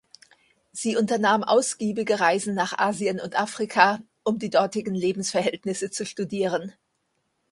Sie unternahm ausgiebige Reisen nach Asien und Afrika, um die dortigen Lebensverhältnisse zu studieren.